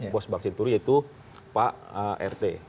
bos bank senturi yaitu pak rt